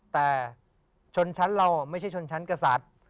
แต่ชนชั้นเราไม่ใช่ชนชั้นกษัตริย์